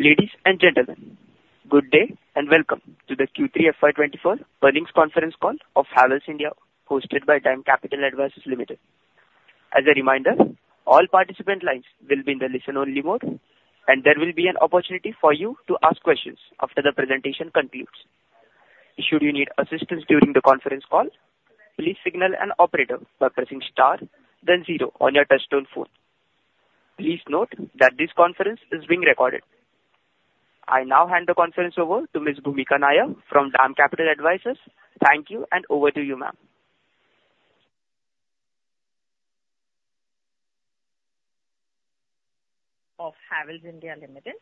Ladies and gentlemen, good day, and welcome to the Q3 FY 2024 earnings conference call of Havells India, hosted by DAM Capital Advisors Limited. As a reminder, all participant lines will be in the listen-only mode, and there will be an opportunity for you to ask questions after the presentation concludes. Should you need assistance during the conference call, please signal an operator by pressing star, then zero on your touchtone phone. Please note that this conference is being recorded. I now hand the conference over to Ms. Bhumika Nair from DAM Capital Advisors. Thank you, and over to you, ma'am.... Of Havells India Limited.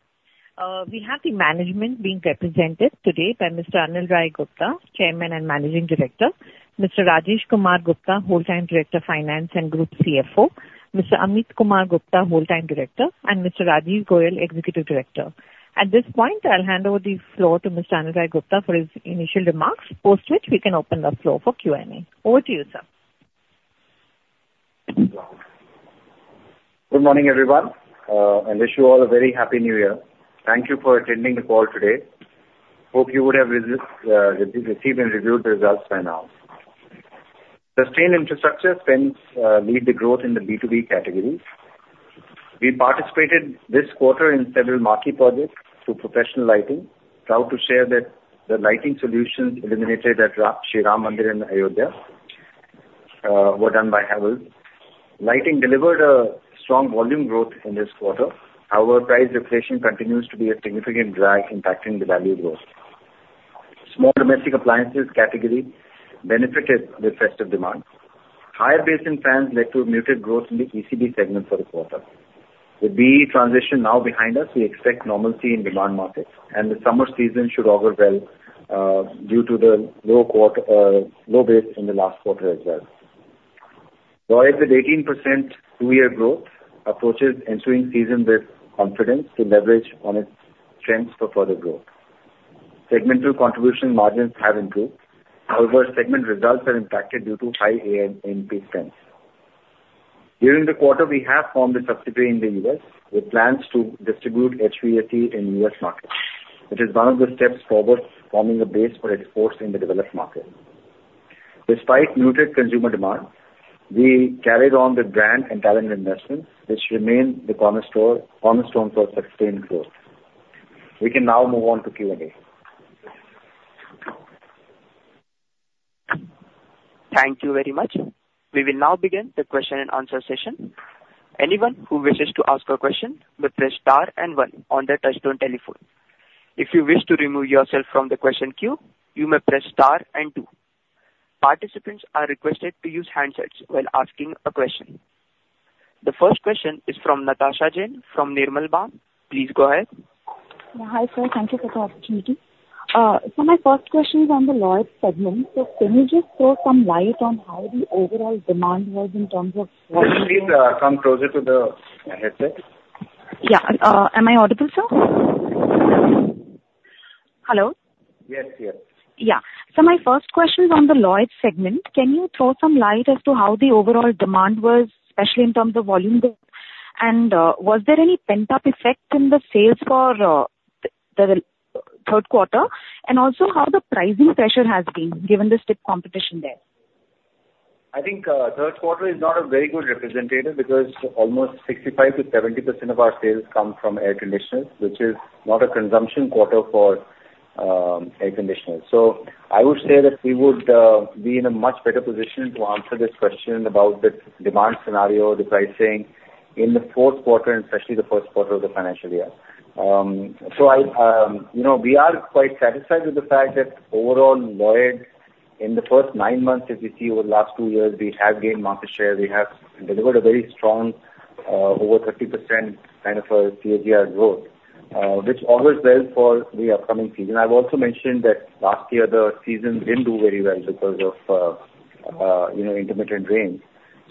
We have the management being represented today by Mr. Anil Rai Gupta, Chairman and Managing Director, Mr. Rajesh Kumar Gupta, Whole-time Director, Finance, and Group CFO, Mr. Ameet Kumar Gupta, Whole-time Director, and Mr. Rajiv Goel, Executive Director. At this point, I'll hand over the floor to Mr. Anil Rai Gupta for his initial remarks. Post which, we can open the floor for Q&A. Over to you, sir. Good morning, everyone. I wish you all a very happy new year. Thank you for attending the call today. Hope you would have received and reviewed the results by now. Sustained infrastructure spends lead the growth in the B2B category. We participated this quarter in several marquee projects through professional lighting. Proud to share that the lighting solutions illuminated at Shri Ram Mandir in Ayodhya were done by Havells. Lighting delivered a strong volume growth in this quarter. However, price deflation continues to be a significant drag impacting the value growth. Small domestic appliances category benefited with festive demand. Higher base in fans led to muted growth in the ECD segment for the quarter. With the transition now behind us, we expect normalcy in demand markets, and the summer season should augur well due to the low quarter, low base in the last quarter as well. Lloyd, with 18% two-year growth, approaches ensuing season with confidence to leverage on its strengths for further growth. Segmental contribution margins have improved. However, segment results are impacted due to high A&P spends. During the quarter, we have formed a subsidiary in the U.S., with plans to distribute HVAC in U.S. markets, which is one of the steps towards forming a base for exports in the developed market. Despite muted consumer demand, we carried on with brand and talent investments, which remain the cornerstone, cornerstone for sustained growth. We can now move on to Q&A. Thank you very much. We will now begin the question and answer session. Anyone who wishes to ask a question may press Star and One on their touchtone telephone. If you wish to remove yourself from the question queue, you may press Star and Two. Participants are requested to use handsets while asking a question. The first question is from Natasha Jain, from Nirmal Bang. Please go ahead. Yeah, hi, sir. Thank you for the opportunity. So my first question is on the Lloyd segment. So can you just throw some light on how the overall demand was in terms of— Can you please come closer to the headset? Yeah, am I audible, sir? Hello? Yes, yes. Yeah. So my first question is on the Lloyd segment. Can you throw some light as to how the overall demand was, especially in terms of volume growth? And, was there any pent-up effect in the sales for the third quarter, and also how the pricing pressure has been, given the stiff competition there? I think, third quarter is not a very good representative because almost 65%-70% of our sales come from air conditioners, which is not a consumption quarter for air conditioners. So I would say that we would be in a much better position to answer this question about the demand scenario, the pricing, in the fourth quarter, and especially the first quarter of the financial year. So I, you know, we are quite satisfied with the fact that overall, Lloyd, in the first nine months, as we see over the last two years, we have gained market share. We have delivered a very strong, over 30% kind of a CAGR growth, which augurs well for the upcoming season. I've also mentioned that last year, the season didn't do very well because of, you know, intermittent rains.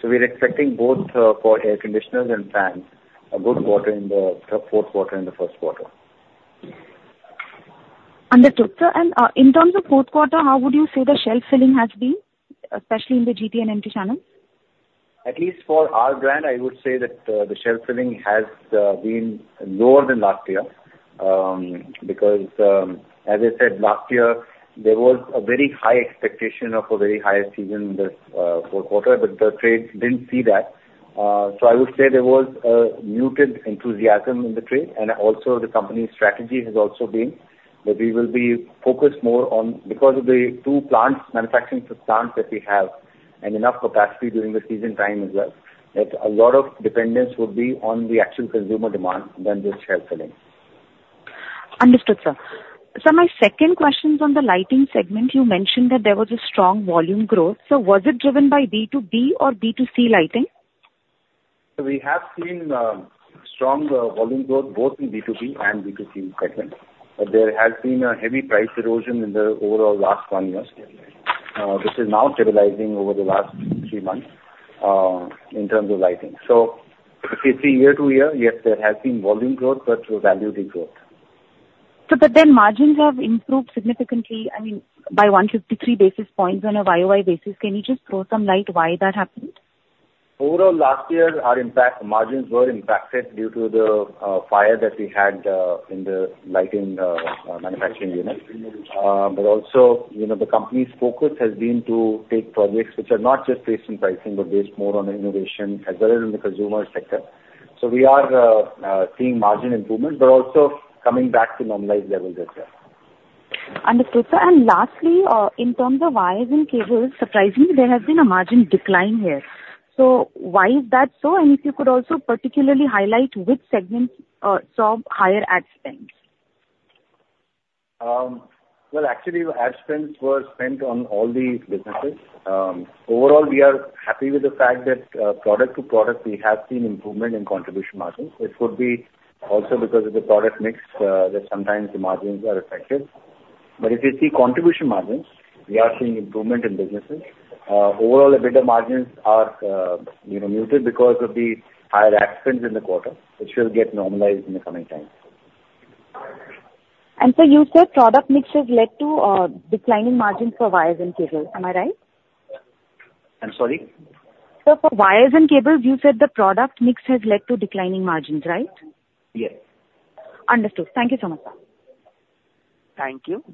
We're expecting both, for air conditioners and fans, a good quarter in the fourth quarter and the first quarter. Understood, sir. And, in terms of fourth quarter, how would you say the shelf filling has been, especially in the GT and MT channels? At least for our brand, I would say that the shelf filling has been lower than last year, because as I said, last year there was a very high expectation of a very high season this fourth quarter, but the trade didn't see that. So I would say there was a muted enthusiasm in the trade, and also the company's strategy has also been that we will be focused more on... because of the two plants, manufacturing plants that we have, and enough capacity during the season time as well, that a lot of dependence would be on the actual consumer demand than the shelf filling. Understood, sir. Sir, my second question is on the lighting segment. You mentioned that there was a strong volume growth. So was it driven by B2B or B2C lighting? We have seen strong volume growth both in B2B and B2C segments, but there has been a heavy price erosion in the overall last 1 year. This is now stabilizing over the last three months in terms of lighting. So if you see year-to-year, yes, there has been volume growth, but value degrowth. But then margins have improved significantly, I mean, by 153 basis points on a YOY basis. Can you just throw some light why that happened? Overall, last year, our margins were impacted due to the fire that we had in the lighting manufacturing unit. But also, you know, the company's focus has been to take projects which are not just based on pricing, but based more on innovation as well as in the consumer sector. So we are seeing margin improvement, but also coming back to normalized levels as well. Understood, sir. Lastly, in terms of wires and cables, surprisingly, there has been a margin decline here. So why is that so? If you could also particularly highlight which segments saw higher ad spends. Well, actually, the ad spends were spent on all these businesses. Overall, we are happy with the fact that, product to product, we have seen improvement in contribution margins. It could be also because of the product mix that sometimes the margins are affected. But if you see contribution margins, we are seeing improvement in businesses. Overall, EBITDA margins are, you know, muted because of the higher ad spends in the quarter, which will get normalized in the coming times. And so you said product mix has led to, declining margins for wires and cables. Am I right? I'm sorry. Sir, for wires and cables, you said the product mix has led to declining margins, right? Yes. Understood. Thank you so much, sir. Thank you.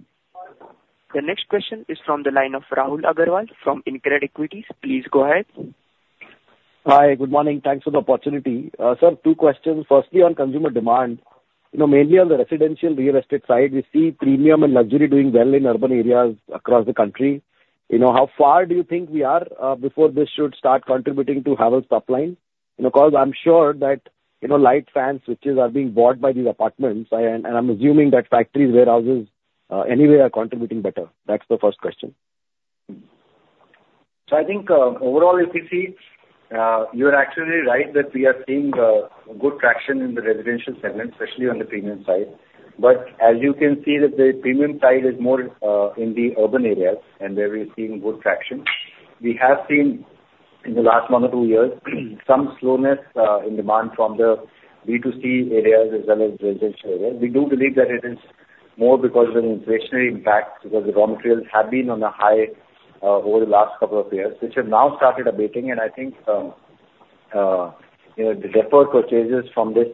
The next question is from the line of Rahul Aggarwal from InCred Equities. Please go ahead. Hi, good morning. Thanks for the opportunity. Sir, two questions. Firstly, on consumer demand, you know, mainly on the residential real estate side, we see premium and luxury doing well in urban areas across the country. You know, how far do you think we are before this should start contributing to Havells' top line? You know, because I'm sure that, you know, light, fans, switches are being bought by these apartments, and, and I'm assuming that factories, warehouses, anyway, are contributing better. That's the first question. So I think, overall, if you see, you're actually right, that we are seeing good traction in the residential segment, especially on the premium side. But as you can see that the premium side is more in the urban areas, and there we're seeing good traction. We have seen in the last one or two years, some slowness in demand from the B2C areas as well as residential areas. We do believe that it is more because of an inflationary impact, because the raw materials have been on a high over the last couple of years, which have now started abating. And I think, you know, the deferred purchases from this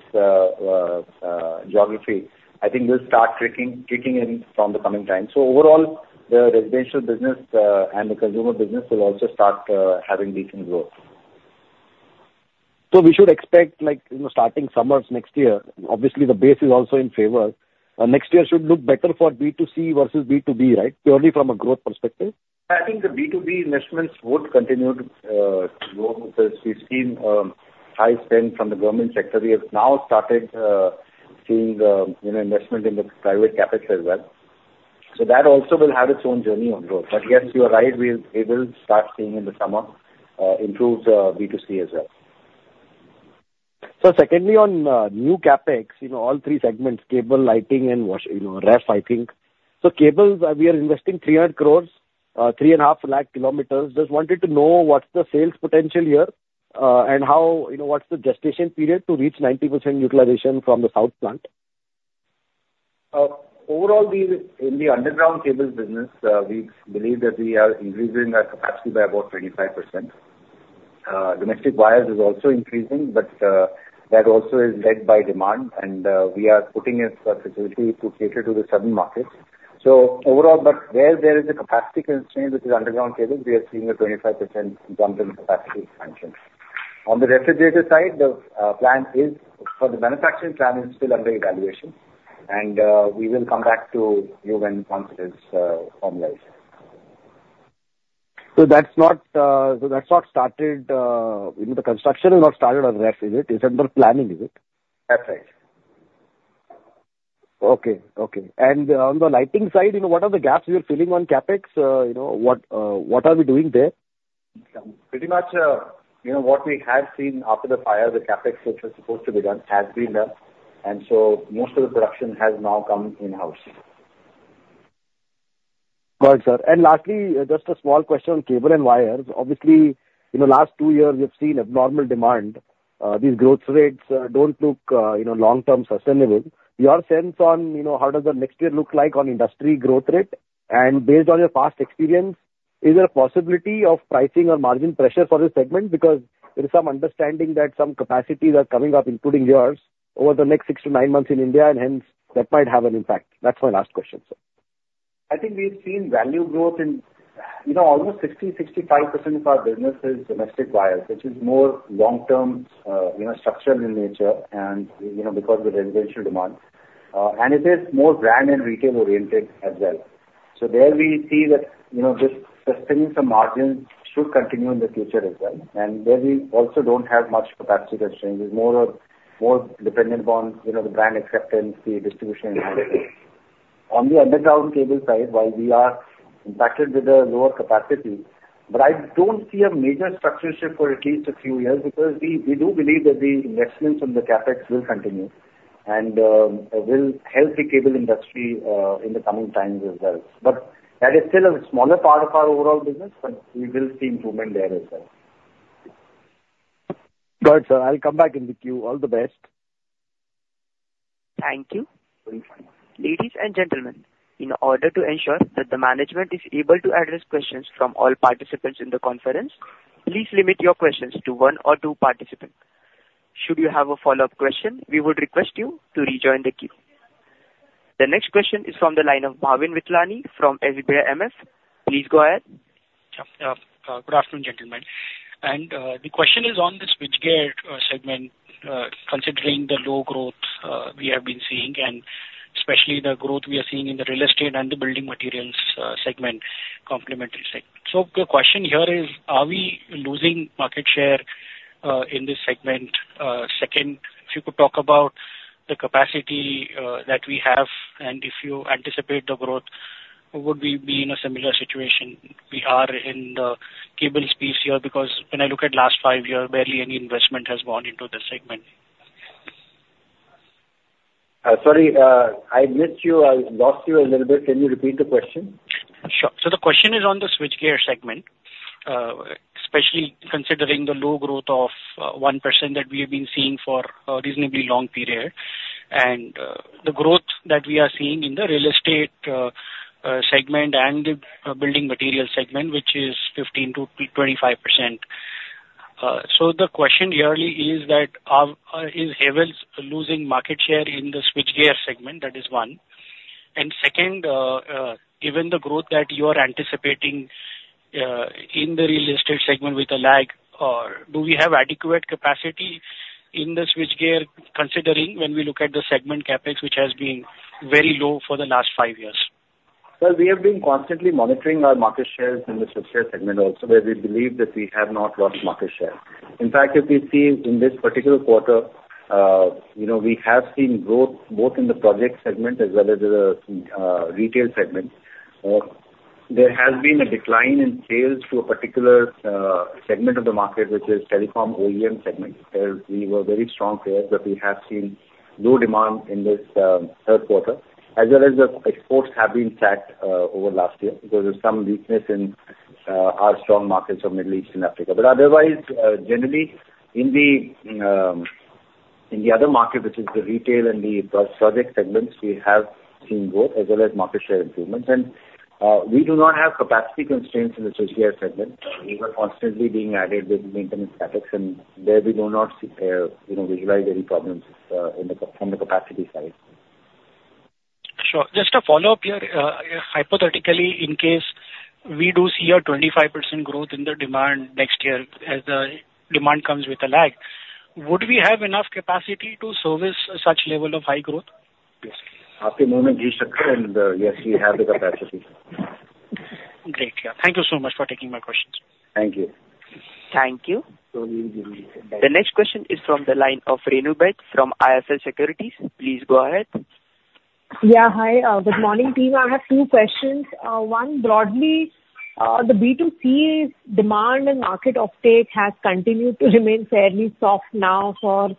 geography, I think will start kicking in from the coming times. So overall, the residential business and the consumer business will also start having decent growth. So we should expect like, you know, starting summers next year, obviously, the base is also in favor. Next year should look better for B2C versus B2B, right? Purely from a growth perspective. I think the B2B investments would continue to grow because we've seen high spend from the government sector. We have now started seeing, you know, investment in the private capital as well. So that also will have its own journey on growth. But yes, you are right, we will, it will start seeing in the summer improved B2C as well. So secondly, on new CapEx, you know, all three segments, cables, lighting and wash, you know, ref, I think. So cables, we are investing 300 crore, three and a half lakh kilometers. Just wanted to know what's the sales potential here, and how... You know, what's the gestation period to reach 90% utilization from the south plant? Overall, in the underground cables business, we believe that we are increasing our capacity by about 25%. Domestic wires is also increasing, but that also is led by demand, and we are putting in a facility to cater to the southern markets. So overall, but where there is a capacity constraint, which is underground cables, we are seeing a 25% jump in capacity expansion. On the refrigerator side, the plan is for the manufacturing plan is still under evaluation, and we will come back to you when once it is formalized. So that's not started, you know, the construction is not started on ref, is it? It's under planning, is it? That's right. Okay. Okay. On the lighting side, you know, what are the gaps we are filling on CapEx? You know, what are we doing there? Pretty much, you know, what we have seen after the fire, the CapEx, which was supposed to be done, has been done, and so most of the production has now come in-house. Got it, sir. Lastly, just a small question on cable and wires. Obviously, in the last two years, we have seen abnormal demand. These growth rates don't look, you know, long-term sustainable. Your sense on, you know, how does the next year look like on industry growth rate? And based on your past experience, is there a possibility of pricing or margin pressure for this segment? Because there is some understanding that some capacities are coming up, including yours, over the next six to nine months in India, and hence, that might have an impact. That's my last question, sir. I think we've seen value growth in, you know, almost 60%-65% of our business is domestic wires, which is more long-term, you know, structural in nature and, you know, because of the residential demand. And it is more brand and retail-oriented as well. So there we see that, you know, this, the strength of margins should continue in the future as well, and there we also don't have much capacity constraints. It's more of, more dependent on, you know, the brand acceptance, the distribution. On the underground cable side, while we are impacted with the lower capacity, but I don't see a major structure shift for at least a few years because we, we do believe that the investments on the CapEx will continue and, will help the cable industry, in the coming times as well. But that is still a smaller part of our overall business, but we will see improvement there as well... Got it, sir. I'll come back in the queue. All the best. Thank you. Ladies and gentlemen, in order to ensure that the management is able to address questions from all participants in the conference, please limit your questions to one or two participant. Should you have a follow-up question, we would request you to rejoin the queue. The next question is from the line of Bhavin Vithlani from Edelweiss MS. Please go ahead. Yeah. Good afternoon, gentlemen. And the question is on the switchgear segment, considering the low growth we have been seeing, and especially the growth we are seeing in the real estate and the building materials segment, complementary segment. So the question here is: Are we losing market share in this segment? Second, if you could talk about the capacity that we have, and if you anticipate the growth, would we be in a similar situation we are in the cable space here? Because when I look at last five years, barely any investment has gone into this segment. Sorry, I missed you. I lost you a little bit. Can you repeat the question? Sure. So the question is on the switchgear segment, especially considering the low growth of 1% that we have been seeing for a reasonably long period, and the growth that we are seeing in the real estate segment and the building material segment, which is 15%-25%. So the question here is that, is Havells losing market share in the switchgear segment? That is one. And second, given the growth that you are anticipating in the real estate segment with a lag, or do we have adequate capacity in the switchgear, considering when we look at the segment CapEx, which has been very low for the last five years? Well, we have been constantly monitoring our market shares in the switchgear segment also, where we believe that we have not lost market share. In fact, if you see in this particular quarter, you know, we have seen growth both in the project segment as well as the retail segment. There has been a decline in sales to a particular segment of the market, which is telecom OEM segment, where we were very strong players, but we have seen low demand in this third quarter, as well as the exports have been flat over last year. There is some weakness in our strong markets of Middle East and Africa. But otherwise, generally, in the other market, which is the retail and the project segments, we have seen growth as well as market share improvements. We do not have capacity constraints in the switchgear segment. We were constantly being added with maintenance CapEx, and there we do not see, you know, visualize any problems in the on the capacity side. Sure. Just a follow-up here. Hypothetically, in case we do see a 25% growth in the demand next year, as the demand comes with a lag, would we have enough capacity to service such level of high growth? Yes. Yes, we have the capacity. Great. Yeah. Thank you so much for taking my questions. Thank you. Thank you. The next question is from the line of Renu Baid from IIFL Securities. Please go ahead. Yeah, hi. Good morning, team. I have two questions. One, broadly, the B2C demand and market uptake has continued to remain fairly soft now for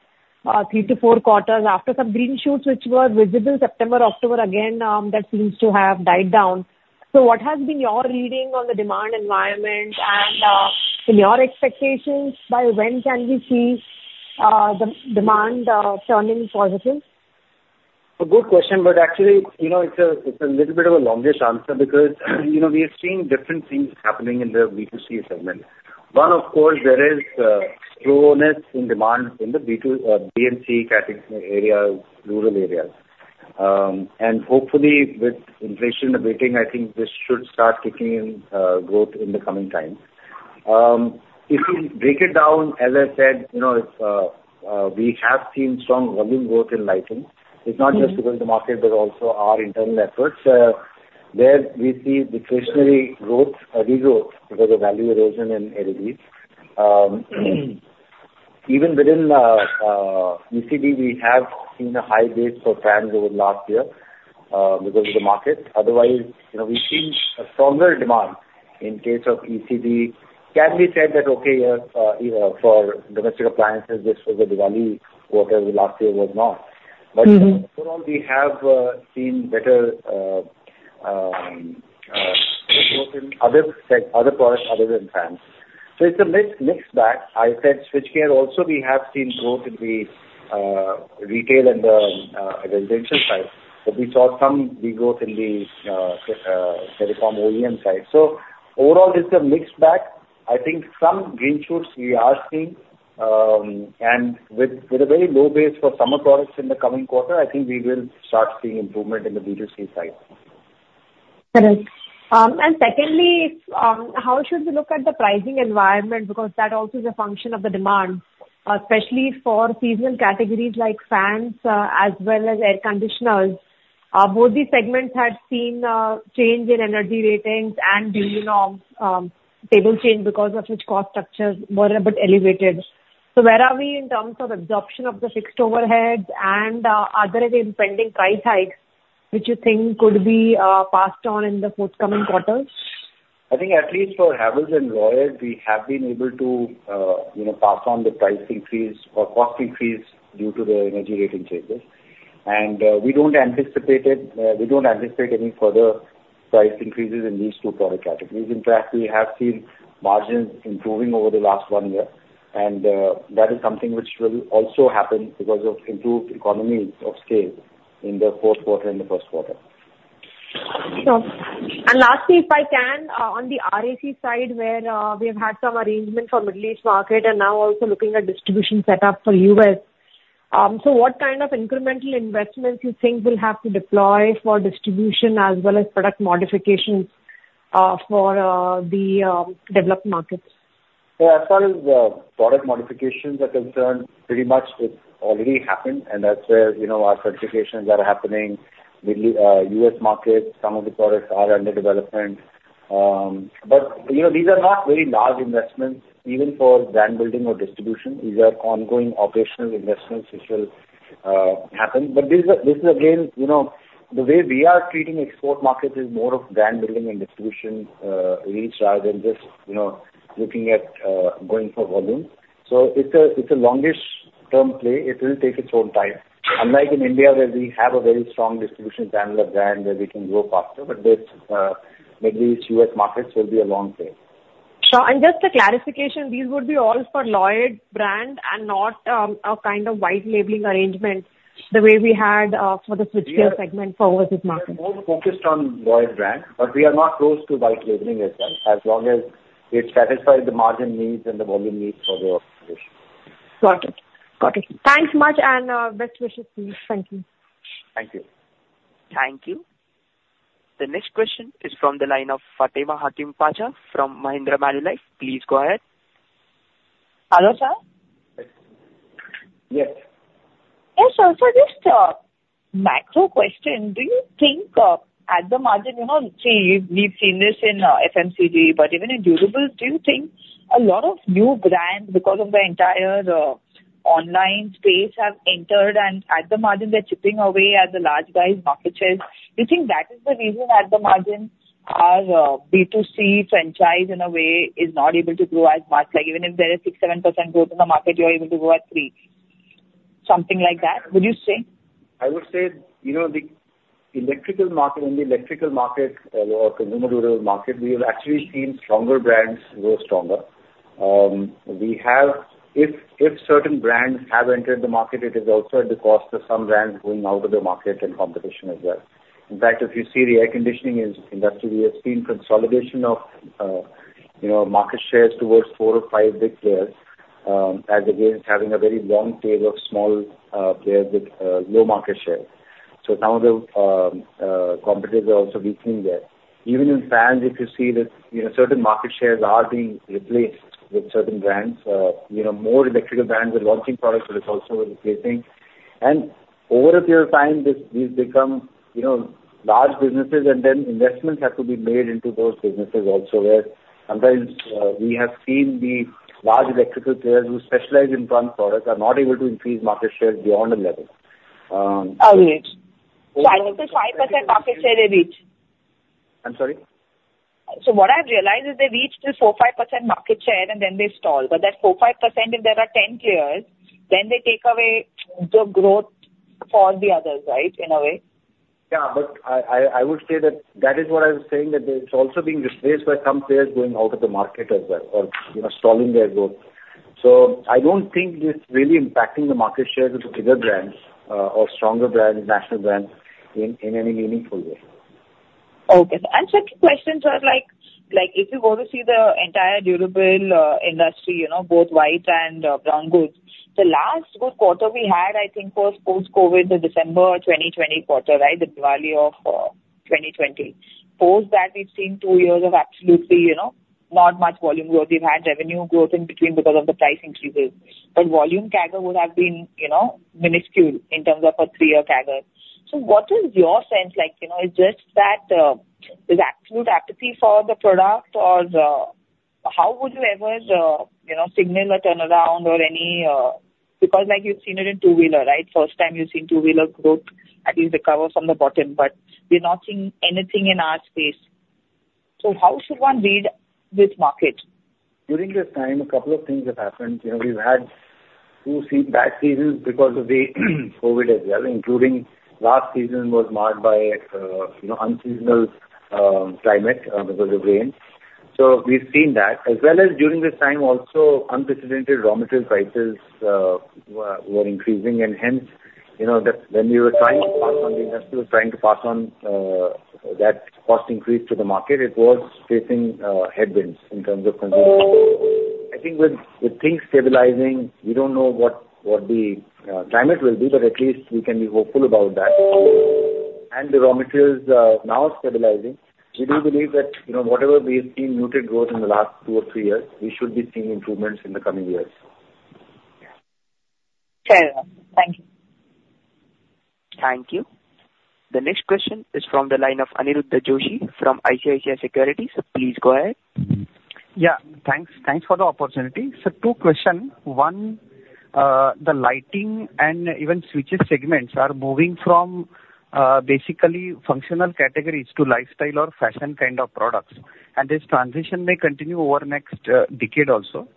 three to four quarters. After some green shoots, which were visible September, October, again, that seems to have died down. So what has been your reading on the demand environment? And, in your expectations, by when can we see the demand turning positive? A good question, but actually, you know, it's a little bit of a longish answer, because, you know, we are seeing different things happening in the B2C segment. One, of course, there is slowness in demand in the B2C category areas, rural areas. And hopefully, with inflation abating, I think this should start kicking in growth in the coming times. If you break it down, as I said, you know, it's we have seen strong volume growth in lighting. Mm-hmm. It's not just because the market, but also our internal efforts. There we see discretionary growth, regrowth, because of value erosion in LEDs. Even within ECD, we have seen a high base for fans over last year, because of the market. Otherwise, you know, we've seen a stronger demand in case of ECD. Can we say that, okay, you know, for domestic appliances, this was a Diwali quarter, last year was not. Mm-hmm. But overall, we have seen better growth in other products other than fans. So it's a mixed, mixed bag. I said switchgear also, we have seen growth in the retail and the residential side, but we saw some regrowth in the telecom OEM side. So overall, it's a mixed bag. I think some green shoots we are seeing, and with a very low base for summer products in the coming quarter, I think we will start seeing improvement in the B2C side. Correct. And secondly, how should we look at the pricing environment? Because that also is a function of the demand, especially for seasonal categories like fans, as well as air conditioners. Both these segments had seen change in energy ratings and during the label change because of which cost structures were a bit elevated. So where are we in terms of absorption of the fixed overheads and are there any pending price hikes, which you think could be passed on in the forthcoming quarters? I think at least for Havells and Lloyd, we have been able to, you know, pass on the price increase or cost increase due to the energy rating changes. And, we don't anticipate it, we don't anticipate any further price increases in these two product categories. In fact, we have seen margins improving over the last one year, and, that is something which will also happen because of improved economies of scale in the fourth quarter and the first quarter. Sure. And lastly, if I can, on the RAC side, where we have had some arrangement for Middle East market and now also looking at distribution setup for U.S. So what kind of incremental investments you think we'll have to deploy for distribution as well as product modifications for the developed markets? So as far as the product modifications are concerned, pretty much it's already happened. And as you know, our certifications are happening. The US market, some of the products are under development. But you know, these are not very large investments, even for brand building or distribution. These are ongoing operational investments which will happen. But this is, this is again, you know, the way we are treating export markets is more of brand building and distribution reach rather than just, you know, looking at going for volume. So it's a long-term play. It will take its own time. Unlike in India, where we have a very strong distribution channel of brand, where we can grow faster, but this Middle East, US markets will be a long play. Sure. Just a clarification, these would be all for Lloyd brand and not a kind of white labeling arrangement, the way we had for the switchgear segment for overseas markets? We are more focused on Lloyd brand, but we are not closed to white labeling as well, as long as it satisfies the margin needs and the volume needs for the operation. Got it. Got it. Thanks much, and best wishes to you. Thank you. Thank you. Thank you. The next question is from the line of Fatima Pacha from Mahindra Manulife. Please go ahead. Hello, sir? Yes. Yes, so for this, macro question, do you think, at the margin, you know, see, we've seen this in, FMCG, but even in durable, do you think a lot of new brands, because of the entire, online space, have entered and at the margin, they're chipping away at the large guys' market shares? Do you think that is the reason that the margins, our, B2C franchise, in a way, is not able to grow as much? Like, even if there is 6%-7% growth in the market, you're able to grow at 3%. Something like that, would you say? I would say, you know, the electrical market, in the electrical market or consumer durable market, we have actually seen stronger brands grow stronger. If certain brands have entered the market, it is also at the cost of some brands going out of the market and competition as well. In fact, if you see the air conditioning industry, we have seen consolidation of, you know, market shares towards four or five big players, as against having a very long tail of small players with low market share. So some of the competitors are also weakening there. Even in fans, if you see that, you know, certain market shares are being replaced with certain brands, you know, more electrical brands are launching products, but it's also replacing. Over a period of time, this, these become, you know, large businesses, and then investments have to be made into those businesses also, where sometimes we have seen the large electrical players who specialize in fan products are not able to increase market share beyond a level. Oh, wait. So up to 5% market share they reach? I'm sorry? So what I've realized is they reach 4%-5% market share, and then they stall. But that 4%-5%, if there are 10 players, then they take away the growth for the others, right? In a way. Yeah, but I would say that that is what I was saying, that it's also being replaced by some players going out of the market as well, or, you know, stalling their growth. So I don't think it's really impacting the market shares of the bigger brands, or stronger brands, national brands, in any meaningful way. Okay. And second question, sir, like, if you go to see the entire durable industry, you know, both white and brown goods, the last good quarter we had, I think, was post-COVID, the December 2020 quarter, right? The Diwali of 2020. Post that, we've seen two years of absolutely, you know, not much volume growth. We've had revenue growth in between because of the price increases. But volume CAGR would have been, you know, minuscule in terms of a three-year CAGR. So what is your sense? Like, you know, is just that the absolute apathy for the product or... How would you ever, you know, signal a turnaround or any... Because, like, you've seen it in two-wheeler, right? First time you've seen two-wheeler growth, at least recover from the bottom, but we're not seeing anything in our space. How should one read this market? During this time, a couple of things have happened. You know, we've had two successive bad seasons because of the COVID as well, including last season was marred by, you know, unseasonal climate because of rain. So we've seen that. As well as during this time, also, unprecedented raw material prices were increasing, and hence, you know, when we were trying to pass on, the industry was trying to pass on that cost increase to the market, it was facing headwinds in terms of consumer. I think with things stabilizing, we don't know what the climate will be, but at least we can be hopeful about that. And the raw materials are now stabilizing. We do believe that, you know, whatever we've seen muted growth in the last two or three years, we should be seeing improvements in the coming years. Fair enough. Thank you. Thank you. The next question is from the line of Aniruddha Joshi from ICICI Securities. Please go ahead. Yeah, thanks. Thanks for the opportunity. So two questions. One, the lighting and even switches segments are moving from basically functional categories to lifestyle or fashion kind of products, and this transition may continue over next decade also....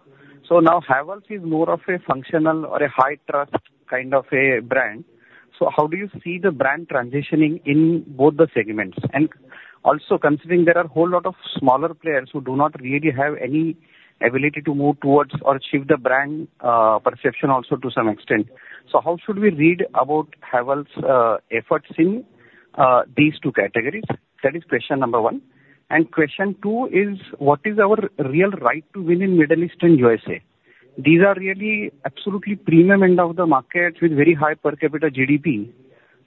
So now Havells is more of a functional or a high trust kind of a brand. So how do you see the brand transitioning in both the segments? And also considering there are a whole lot of smaller players who do not really have any ability to move towards or achieve the brand, perception also to some extent. So how should we read about Havells' efforts in these two categories? That is question number one. And question two is, what is our real right to win in Middle East and USA? These are really absolutely premium end of the market, with very high per capita GDP.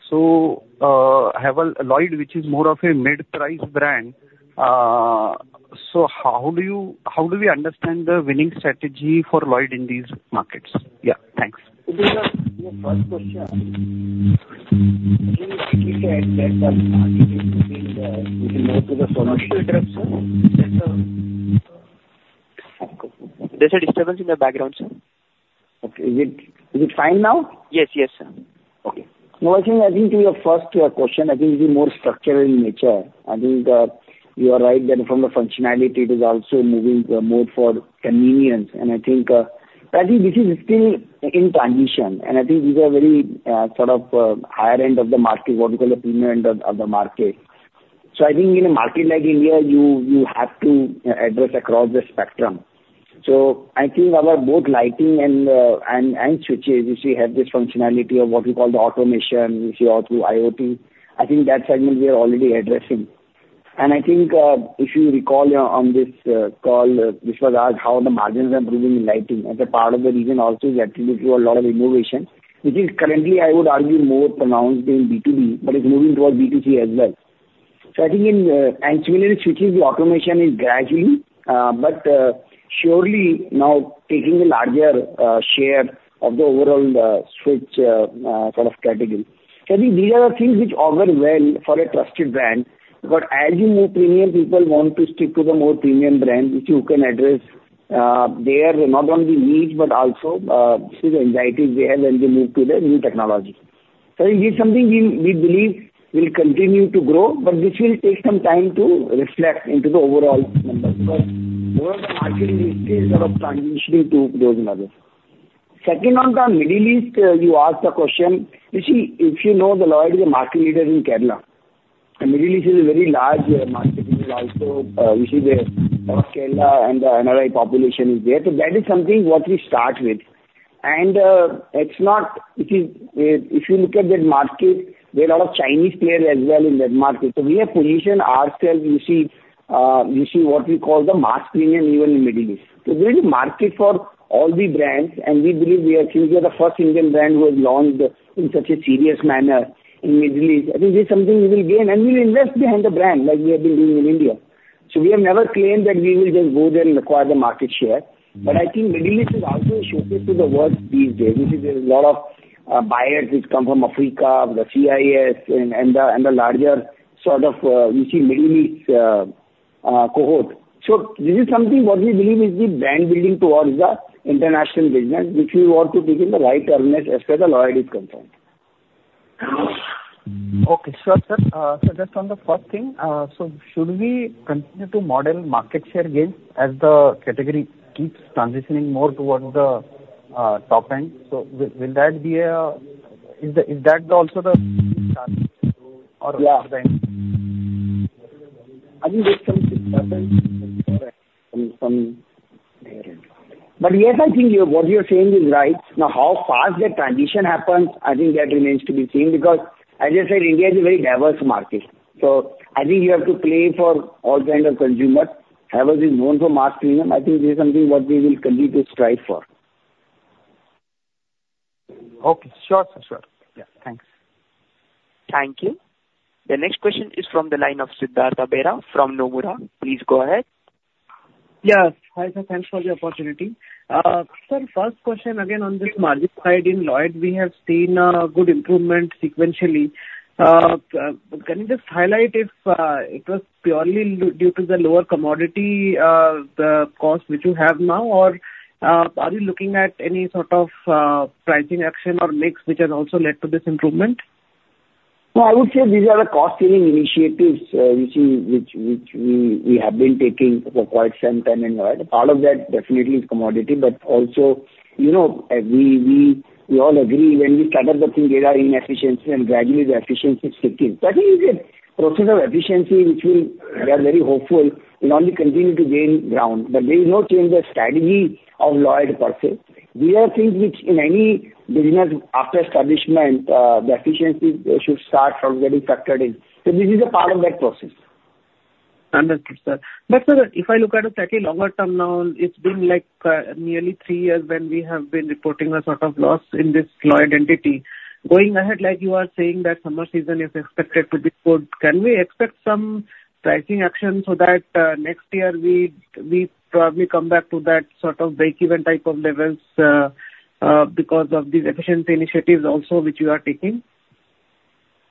So, Havells, Lloyd, which is more of a mid-priced brand, so how do we understand the winning strategy for Lloyd in these markets? Yeah, thanks. Your first question. There's a disturbance in the background, sir. Okay. Is it, is it fine now? Yes. Yes, sir. Okay. No, I think, I think to your first, question, I think it is more structural in nature. I think, you are right that from the functionality, it is also moving, more for convenience. And I think, I think this is still in transition, and I think these are very, sort of, higher end of the market, what we call the premium end of, of the market. So I think in a market like India, you, you have to address across the spectrum. So I think our both lighting and, and, and switches, you see, have this functionality of what we call the automation, you see, or through IoT. I think that segment we are already addressing. And I think, if you recall on this, call, this was asked how the margins are improving in lighting. As a part of the reason also is attributed to a lot of innovation, which is currently, I would argue, more pronounced in B2B, but it's moving towards B2C as well. So I think in, and similarly, switches, the automation is gradually, but, surely now taking a larger, share of the overall, switch, sort of category. So I think these are the things which augur well for a trusted brand, but as you move premium, people want to stick to the more premium brand, which you can address, their not only needs, but also, the anxieties they have when they move to the new technology. So it's something we believe will continue to grow, but which will take some time to reflect into the overall numbers. But overall, the market is still sort of transitioning to those models. Second, on the Middle East, you asked the question. You see, if you know, the Lloyd is a market leader in Kerala, and Middle East is a very large market, which is also, you see the Kerala and the NRI population is there. So that is something what we start with. And, it's not-- if you, if you look at that market, there are a lot of Chinese players as well in that market. So we have positioned ourselves, you see, you see what we call the mass premium, even in Middle East. So there is a market for all the brands, and we believe we are still the first Indian brand who has launched in such a serious manner in Middle East. I think this is something we will gain, and we'll invest behind the brand like we have been doing in India. So we have never claimed that we will just go there and acquire the market share. But I think Middle East is also a showcase to the world these days, which is a lot of buyers which come from Africa, the CIS and the larger sort of, you see Middle East cohort. So this is something what we believe is the brand building towards the international business, which we want to take in the right earnest as far as the Lloyd is concerned. Okay, sure, sir. So just on the first thing, so should we continue to model market share gains as the category keeps transitioning more towards the top end? So will, will that be a, is that, is that also the- Yeah. Or then? I think it's some 6% from there. But yes, I think you, what you're saying is right. Now, how fast that transition happens, I think that remains to be seen, because as I said, India is a very diverse market, so I think you have to play for all kind of consumers. Havells is known for mass premium. I think this is something what we will continue to strive for. Okay. Sure, sure, sir. Yeah. Thanks. Thank you. The next question is from the line of Siddhartha Bera from Nomura. Please go ahead. Yes. Hi, sir. Thanks for the opportunity. Sir, first question again on this margin side in Lloyd, we have seen a good improvement sequentially. Can you just highlight if it was purely due to the lower commodity the cost which you have now, or are you looking at any sort of pricing action or mix, which has also led to this improvement? No, I would say these are the cost-saving initiatives, you see, which we have been taking for quite some time in Lloyd. A part of that definitely is commodity, but also, you know, we all agree when we started the thing, there are inefficiencies, and gradually the efficiency sticks in. So I think it's a process of efficiency which will, we are very hopeful, will only continue to gain ground, but there is no change in the strategy of Lloyd per se. These are things which in any business after establishment, the efficiency should start from getting factored in. So this is a part of that process. Understood, sir. But sir, if I look at it slightly longer term now, it's been like, nearly three years when we have been reporting a sort of loss in this Lloyd entity. Going ahead, like you are saying, that summer season is expected to be good, can we expect some pricing action so that, next year we, we probably come back to that sort of breakeven type of levels, because of these efficiency initiatives also, which you are taking?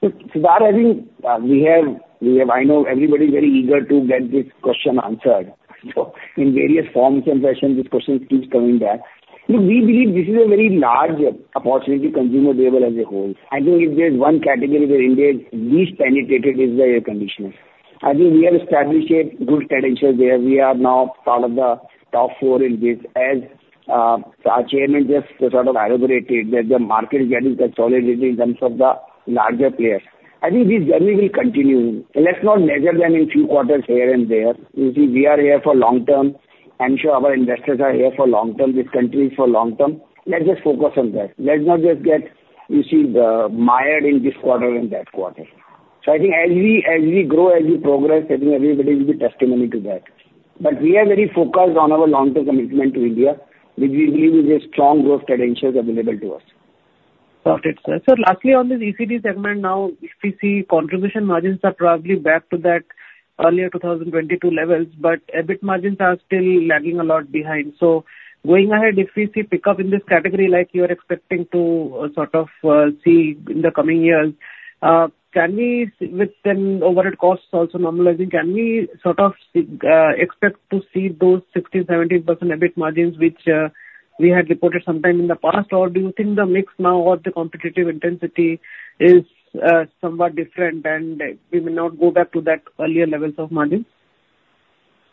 So Siddhartha, I think, we have, we have. I know everybody's very eager to get this question answered, so in various forms and sessions, this question keeps coming back. Look, we believe this is a very large opportunity, consumable as a whole. I think if there's one category where India is least penetrated, is the air conditioner. I think we have established a good credential there. We are now part of the top four in this, as our chairman just sort of elaborated, that the market is getting consolidated in terms of the larger players. I think this journey will continue. Let's not measure them in few quarters here and there. You see, we are here for long term. I'm sure our investors are here for long term, this country is for long term. Let's just focus on that. Let's not just get, you see, mired in this quarter and that quarter. So I think as we, as we grow, as we progress, I think everybody will be testimony to that. But we are very focused on our long-term commitment to India, which we believe is a strong growth credentials available to us. Got it, sir. So lastly, on this ECD segment now, if we see contribution margins are probably back to that earlier 2022 levels, but EBIT margins are still lagging a lot behind. So going ahead, if we see pickup in this category, like you are expecting to, sort of, see in the coming years, can we, with then overhead costs also normalizing, can we sort of, expect to see those 16%-17% EBIT margins which, we had reported sometime in the past? Or do you think the mix now or the competitive intensity is, somewhat different, and we may not go back to that earlier levels of margin?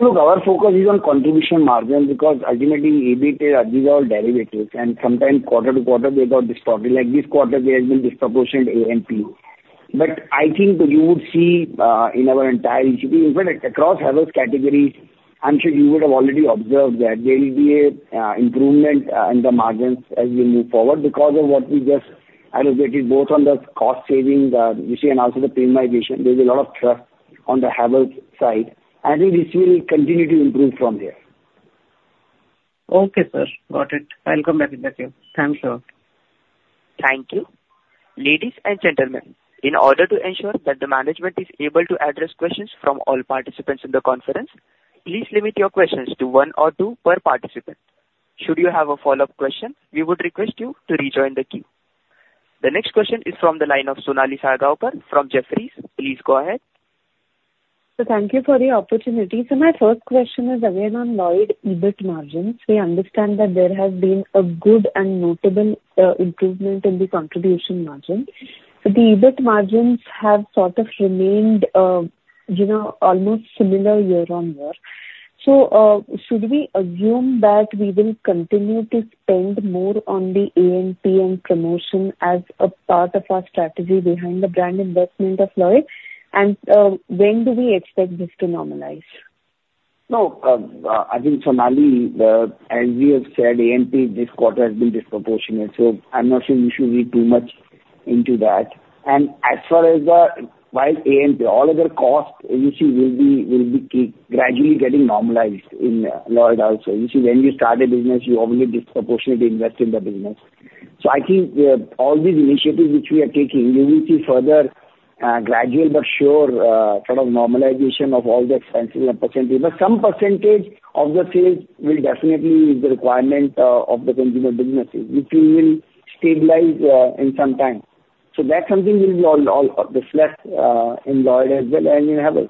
Look, our focus is on contribution margin, because ultimately, EBITDA, these are all derivatives, and sometimes quarter-to-quarter they got distorted. Like this quarter, there has been disproportionate A&P. But I think you would see, in our entire kitty, even across other categories, I'm sure you would have already observed that there will be a improvement in the margins as we move forward because of what we just aggregated, both on the cost saving, you see, and also the premiumization. There's a lot of trust on the Havells side. I think this will continue to improve from there. Okay, sir. Got it. I'll come back with that here. Thanks a lot. Thank you. Ladies and gentlemen, in order to ensure that the management is able to address questions from all participants in the conference, please limit your questions to one or two per participant. Should you have a follow-up question, we would request you to rejoin the queue. The next question is from the line of Sonali Salgaonkar from Jefferies. Please go ahead. So thank you for the opportunity. So my first question is again on Lloyd EBIT margins. We understand that there has been a good and notable improvement in the contribution margin, but the EBIT margins have sort of remained, you know, almost similar year-on-year. So, should we assume that we will continue to spend more on the A&P and promotion as a part of our strategy behind the brand investment of Lloyd? And, when do we expect this to normalize? No, I think, Sonali, as we have said, A&P this quarter has been disproportionate, so I'm not saying you should read too much into that. And as far as the A&P, while all other costs, you see, will be kept gradually getting normalized in Lloyd also. You see, when you start a business, you obviously disproportionately invest in the business. So I think, all these initiatives which we are taking, you will see further, gradual but sure, sort of normalization of all the expenses and percentage. But some percentage of the sales will definitely is the requirement of the consumer businesses, which we will stabilize in some time. So that something will be all the same in Lloyd as well and in Havells.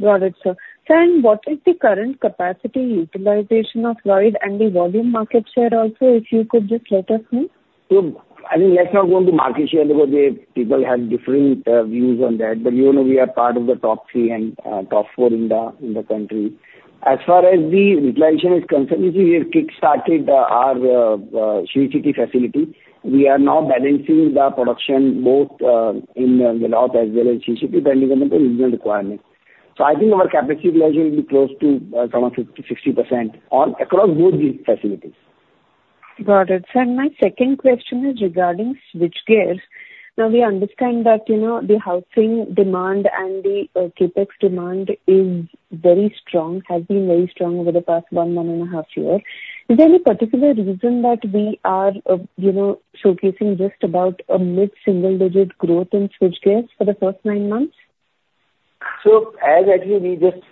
Got it, sir. Sir, and what is the current capacity utilization of Lloyd and the volume market share also, if you could just let us know? So I think let's not go into market share, because the people have different views on that. But you know, we are part of the top three and top four in the country. As far as the utilization is concerned, you see, we have kickstarted our Sri City facility. We are now balancing the production both in the north as well as..., depending on the regional requirement. So I think our capacity utilization will be close to some of 60% across both these facilities. Got it. Sir, my second question is regarding switchgear. Now, we understand that, you know, the housing demand and the CapEx demand is very strong, has been very strong over the past one, one and a half year. Is there any particular reason that we are, you know, showcasing just about a mid-single digit growth in switchgear for the first nine months? So as I think we just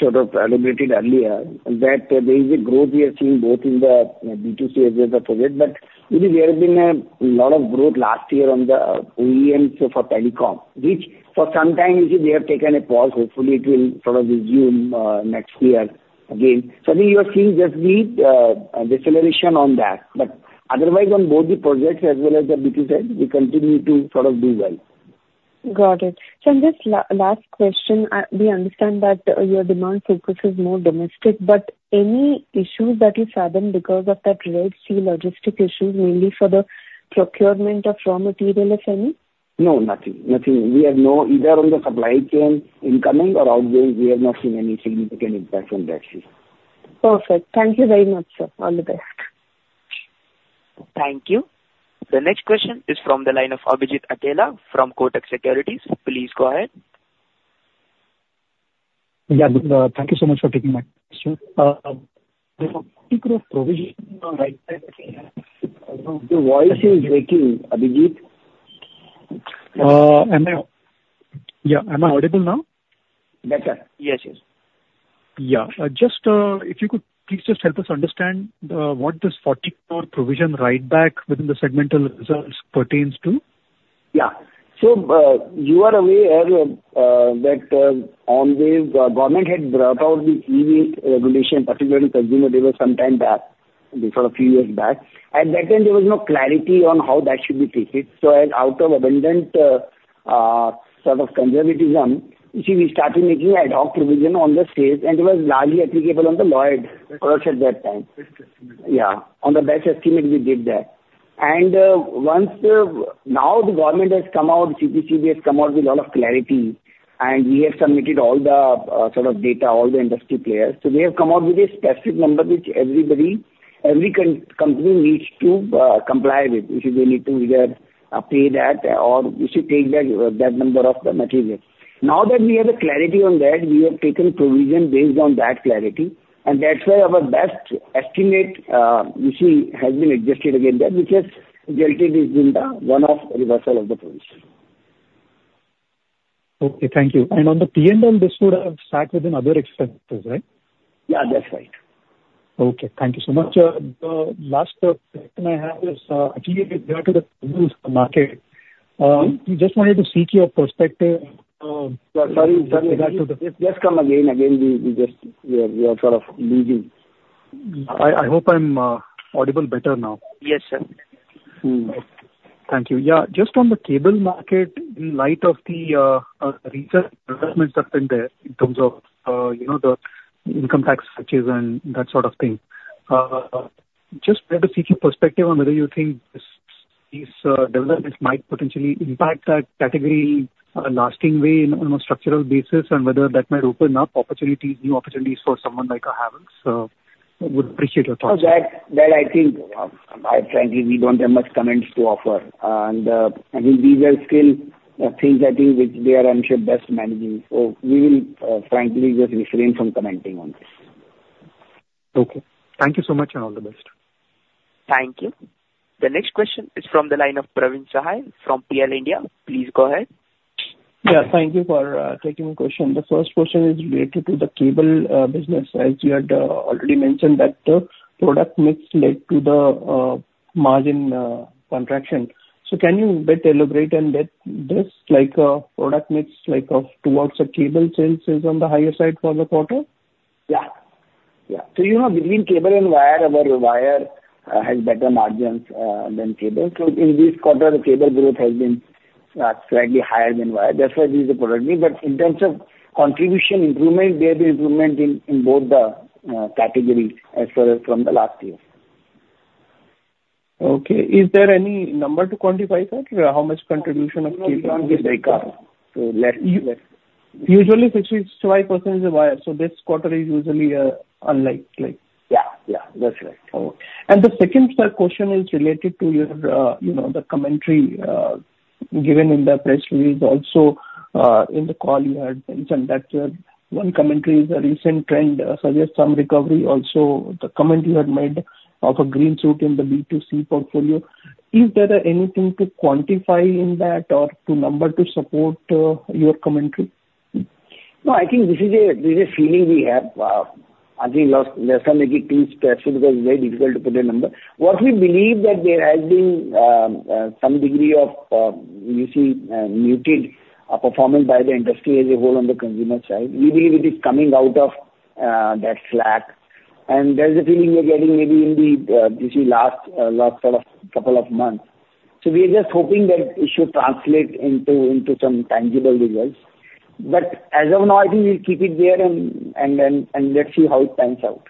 sort of elaborated earlier, that there is a growth we are seeing both in the B2C as well as the project, but there has been a lot of growth last year on the OEM for telecom, which for some time, they have taken a pause. Hopefully, it will sort of resume next year again. So you are seeing just the deceleration on that, but otherwise on both the projects as well as the B2C, we continue to sort of do well. Got it. So just last question, we understand that your demand focus is more domestic, but any issues that you fathom because of the Red Sea logistics issues, mainly for the procurement of raw material if any? No, nothing. Nothing. We have no, either on the supply chain, incoming or outgoing, we have not seen any significant impact on that issue. Perfect. Thank you very much, sir. All the best. Thank you. The next question is from the line of Abhijit Akella from Kotak Securities. Please go ahead. Yeah. Thank you so much for taking my question. The provision on write back Your voice is breaking, Abhijit. Am I... Yeah, am I audible now? Better. Yes, yes. Yeah. Just, if you could please just help us understand, what this 40 crore provision write back within the segmental results pertains to?... Yeah. So, you are aware that the government had brought out the E-waste regulation, particularly consumer, there was some time back, before a few years back. At that time, there was no clarity on how that should be treated. So as out of abundant sort of conservatism, you see, we started making ad hoc provision on the sales, and it was largely applicable on the Lloyd products at that time. Best estimate. Yeah, on the best estimate we did that. And, once now the government has come out, CPCB has come out with a lot of clarity, and we have submitted all the sort of data, all the industry players. So they have come out with a specific number which everybody, every company needs to comply with, which is they need to either pay that or we should take that, that number of the material. Now that we have a clarity on that, we have taken provision based on that clarity, and that's why our best estimate, you see, has been adjusted again, that which has resulted in the one-off reversal of the provision. Okay, thank you. On the P&L, this would have stacked within other expenses, right? Yeah, that's right. Okay, thank you so much. The last question I have is, actually related to the cables market. Just wanted to seek your perspective. Sorry, sorry, just come again. Again, we just are sort of leaving. I hope I'm audible better now. Yes, sir. Mm. Thank you. Yeah, just on the cable market, in light of the recent developments that have been there in terms of you know, the income tax structures and that sort of thing. Just wanted to seek your perspective on whether you think this, these developments might potentially impact that category, lasting way on a structural basis, and whether that might open up opportunities, new opportunities for someone like Havells. So would appreciate your thoughts. Oh, that I think, quite frankly, we don't have much comments to offer. And, I think these are still things I think which they are, I'm sure, best managing. So we will, frankly, just refrain from commenting on this. Okay. Thank you so much, and all the best. Thank you. The next question is from the line of Praveen Sahay from PL India. Please go ahead. Yeah, thank you for taking the question. The first question is related to the cable business. As you had already mentioned that the product mix led to the margin contraction. So can you bit elaborate on that, this, like, product mix, like, of towards the cable sales is on the higher side for the quarter? Yeah. Yeah. So, you know, between cable and wire, our wire has better margins than cable. So in this quarter, the cable growth has been slightly higher than wire. That's why this is a product mix, but in terms of contribution improvement, there'll be improvement in both the categories as far as from the last year. Okay. Is there any number to quantify that, or how much contribution of cable? So less. Usually 65% is a wire, so this quarter is usually, unlike, like- Yeah, yeah. That's right. Oh. And the second question is related to your, you know, the commentary given in the press release, also in the call you had mentioned that one commentary is a recent trend suggest some recovery. Also, the comment you had made of a green shoot in the B2C portfolio. Is there anything to quantify in that or to number to support your commentary? No, I think this is a, this is a feeling we have. I think let's, let's not make it too special because it's very difficult to put a number. What we believe that there has been some degree of, you see, muted performance by the industry as a whole on the consumer side. We believe it is coming out of that slack, and there's a feeling we are getting maybe in the this last last sort of couple of months. So we are just hoping that it should translate into, into some tangible results. But as of now, I think we'll keep it there and, and then, and let's see how it pans out.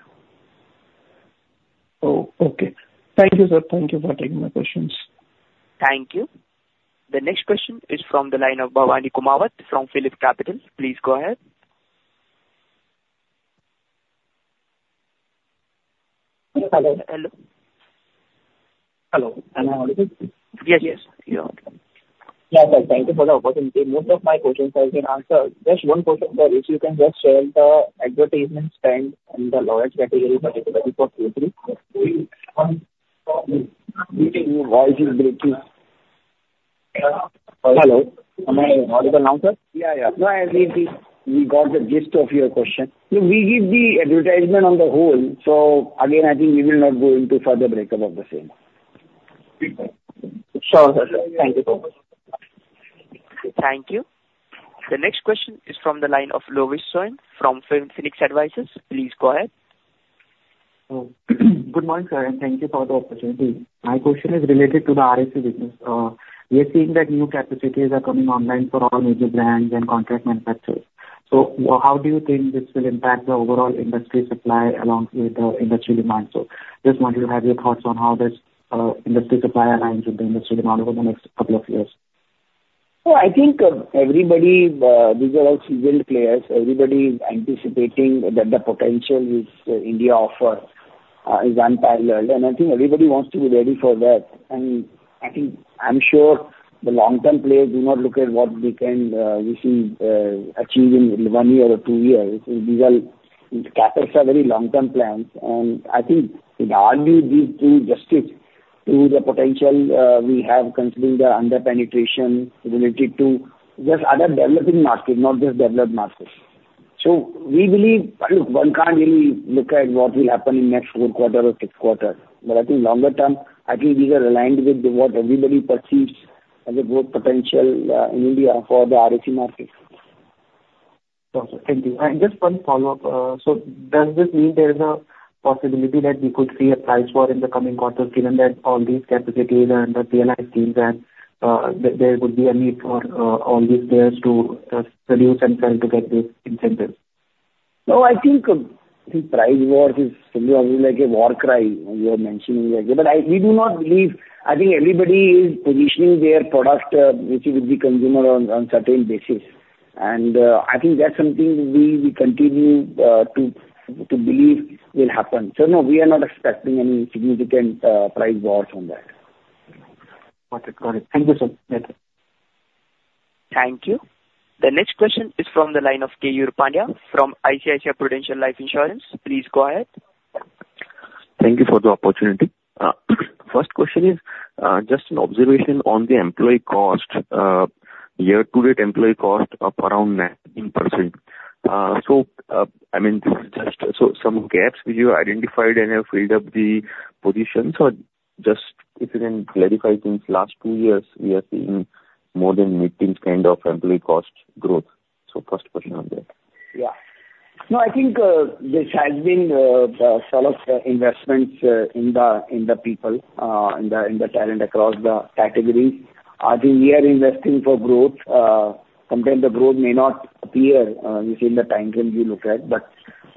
Oh, okay. Thank you, sir. Thank you for taking my questions. Thank you. The next question is from the line of Bhavani Kumawat from PhillipCapital. Please go ahead. Hello. Hello? Hello, am I audible? Yes, yes. You're okay. Yeah, sir, thank you for the opportunity. Most of my questions have been answered. Just one question, sir, if you can just share the advertisement spend in the Lloyd category particularly for Q3. Your voice is breaking. Hello, am I audible now, sir? Yeah, yeah. No, I, we, we got the gist of your question. So we give the advertisement on the whole, so again, I think we will not go into further breakup of the same. Sure, sir. Thank you so much. Thank you. The next question is from the line of Lovish Swain from Phoenix Advisors. Please go ahead. Oh, good morning, sir, and thank you for the opportunity. My question is related to the RAC business. We are seeing that new capacities are coming online for all major brands and contract manufacturers. So how do you think this will impact the overall industry supply along with the industry demand? So just wanted to have your thoughts on how this, industry supply aligns with the industry demand over the next couple of years. So I think, everybody, these are all seasoned players. Everybody is anticipating that the potential which India offers is unparalleled, and I think everybody wants to be ready for that. And I think... I'm sure the long-term players do not look at what they can, you see, achieve in 1 year or 2 years. These are, these capitals are very long-term plans, and I think it hardly give true justice to the potential we have, considering the under-penetration related to just other developing markets, not just developed markets. So we believe one can't really look at what will happen in next four quarter or six quarter. But I think longer term, I think we are aligned with what everybody perceives as a growth potential in India for the RAC market. Perfect. Thank you. And just one follow-up. So does this mean there is a possibility that we could see a price war in the coming quarters, given that all these capacities and the PLI schemes and, there would be a need for all these players to produce and sell to get this incentive? No, I think the price war is something like a war cry you are mentioning like. But I-we do not believe-I think everybody is positioning their product with the consumer on certain basis. And I think that's something we continue to believe will happen. So no, we are not expecting any significant price wars on that. Perfect, got it. Thank you, sir. Thank you. The next question is from the line of Keyur Pandya from ICICI Prudential Life Insurance. Please go ahead. Thank you for the opportunity. First question is just an observation on the employee cost. Year-to-date employee cost up around 19%. So, I mean, just so some gaps you identified and have filled up the positions, or just if you can clarify, since last two years, we have seen more than mid-teens kind of employee cost growth. So first question on that. Yeah. No, I think this has been the sort of investments in the people in the talent across the category. I think we are investing for growth. Sometimes the growth may not appear within the time frame you look at, but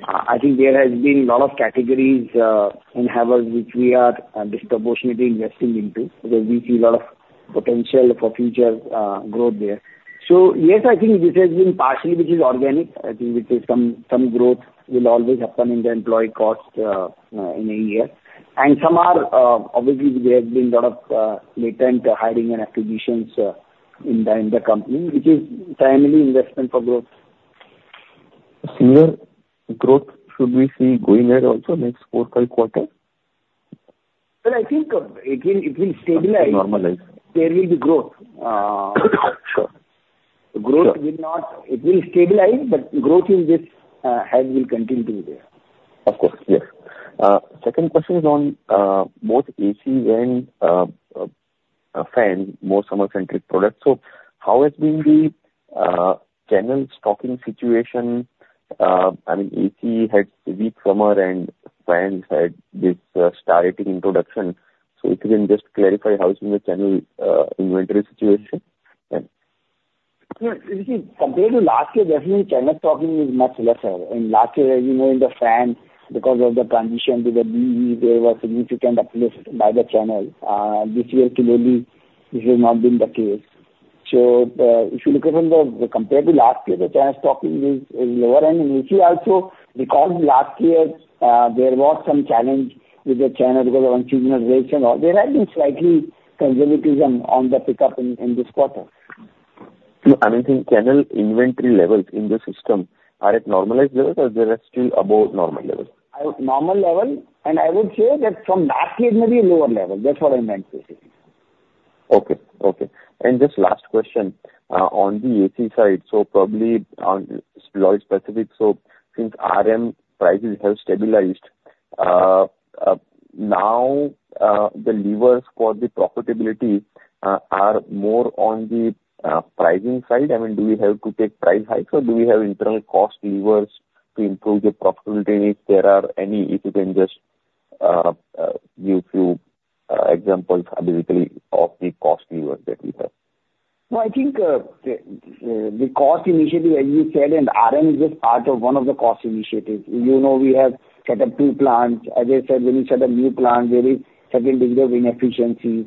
I think there has been a lot of categories in-house, which we are disproportionately investing into, because we see a lot of potential for future growth there. So yes, I think this has been partially, which is organic. I think which is some growth will always happen in the employee cost in a year. And some are obviously there has been a lot of latent hiring and acquisitions in the company, which is timely investment for growth. Similar growth should we see going ahead also next 4-5 quarters? Well, I think, it will, it will stabilize. Normalize. There will be growth, Sure. Sure. Growth will not—it will stabilize, but growth in this, Havells will continue to be there. Of course, yes. Second question is on both AC and fan, more summer-centric products. So how has been the channel stocking situation? I mean, AC had a weak summer, and fans had this starting introduction. So if you can just clarify, how is in the channel inventory situation? Yeah. You see, compared to last year, definitely channel stocking is much lesser. In last year, as you know, in the fans, because of the transition to the BE, there was significant uplift by the channel. This year, clearly, this has not been the case. So, if you look at them, compared to last year, the channel stocking is lower. And in AC also, because last year, there was some challenge with the channel because of one seasonal reason or they have been slightly conservatism on the pickup in this quarter. No, I mean, think channel inventory levels in the system, are it normalized levels or they are still above normal levels? Normal level, and I would say that from last year, maybe lower level. That's what I meant to say. Okay. Okay. And just last question on the AC side, so probably on Lloyd specific, so since RM prices have stabilized, now the levers for the profitability are more on the pricing side? I mean, do we have to take price hikes, or do we have internal cost levers to improve the profitability? If there are any, if you can just give few examples, basically, of the cost levers that we have. No, I think the cost initiative, as you said, and RM is just part of one of the cost initiatives. You know, we have set up two plants. As I said, when you set up new plants, there is a certain degree of inefficiencies.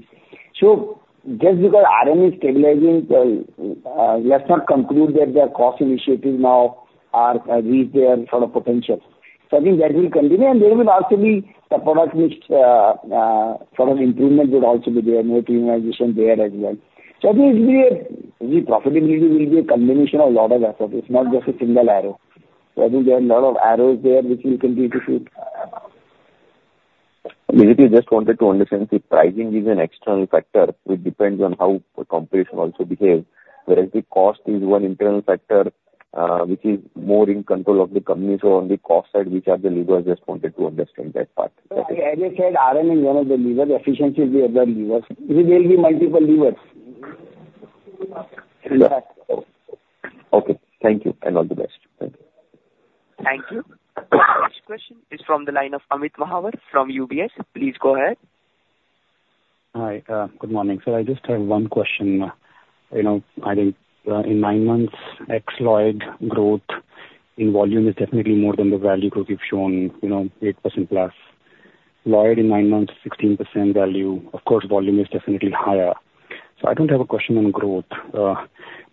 So just because RM is stabilizing, let's not conclude that their cost initiatives now are reached their sort of potential. So I think that will continue, and there will also be the product mix sort of improvements would also be there, more premiumization there as well. So I think it will be a... The profitability will be a combination of a lot of efforts, not just a single arrow. So I think there are a lot of arrows there which we will continue to see. Basically, just wanted to understand, if pricing is an external factor, it depends on how the competition also behaves. Whereas the cost is one internal factor, which is more in control of the company. So on the cost side, which are the levers? Just wanted to understand that part. As I said, RM is one of the levers, efficiency is the other lever. There will be multiple levers. Okay. Thank you, and all the best. Thank you. Thank you. Next question is from the line ofAmit Mahawar from UBS. Please go ahead. Hi, good morning, sir. I just have one question. You know, I think, in 9 months, ex-Lloyd growth in volume is definitely more than the value growth you've shown, you know, 8%+. Lloyd in 9 months, 16% value, of course, volume is definitely higher. So I don't have a question on growth.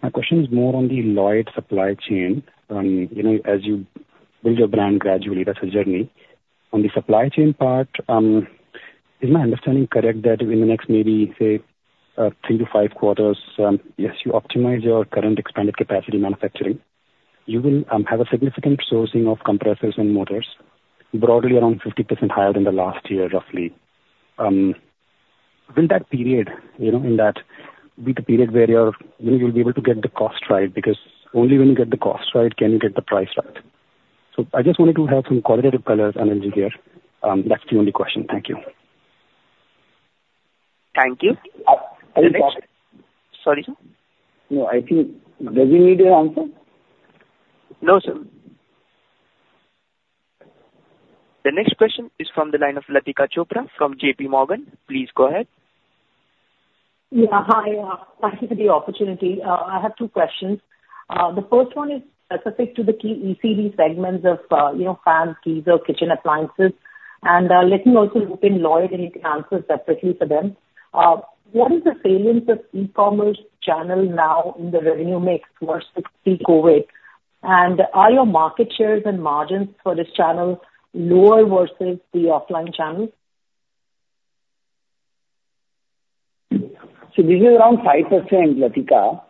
My question is more on the Lloyd supply chain. You know, as you build your brand gradually, that's a journey. On the supply chain part, is my understanding correct that in the next, maybe, say, 3-5 quarters, as you optimize your current expanded capacity manufacturing, you will have a significant sourcing of compressors and motors, broadly around 50% higher than the last year, roughly.... Will that period, you know, in that be the period where you're, you will be able to get the cost right, because only when you get the cost right, can you get the price right. So I just wanted to have some qualitative colors on it here. That's the only question. Thank you. Thank you. I think- Sorry, sir? No, I think, does he need an answer? No, sir. The next question is from the line of Latika Chopra from JP Morgan. Please go ahead. Yeah, hi, thank you for the opportunity. I have two questions. The first one is specific to the key ECD segments of, you know, fans, geyser, kitchen appliances, and, let me also loop in Lloyd, and you can answer separately for them. What is the salience of e-commerce channel now in the revenue mix versus pre-COVID? And are your market shares and margins for this channel lower versus the offline channel? So this is around 5%, Latika,